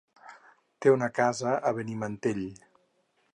Té una casa a Benimantell.